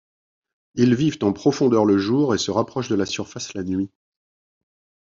Ils vivent en profondeur le jour et se rapprochent de la surface la nuit.